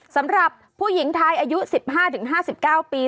สำหรับผู้หญิงไทยอายุ๑๕๕๙ปี